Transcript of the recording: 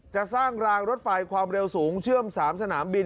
สร้างรางรถไฟความเร็วสูงเชื่อม๓สนามบิน